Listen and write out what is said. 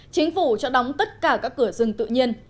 chính phủ cho đóng tất cả các cửa rừng tự nhiên